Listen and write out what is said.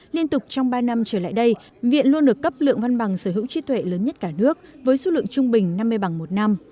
liên tục trong ba năm trở lại đây viện luôn được cấp lượng văn bằng sở hữu trí tuệ lớn nhất cả nước với số lượng trung bình năm mươi bằng một năm